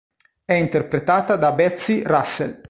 È interpretata da Betsy Russell.